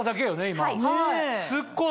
今。